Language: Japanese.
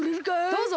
どうぞ！